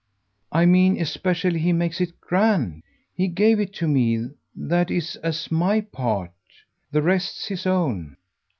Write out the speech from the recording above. "I mean especially he makes it grand. He gave it to me, that is, as MY part. The rest's his own."